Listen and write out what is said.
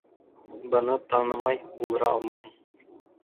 Быны танымай булдыра алмайһың.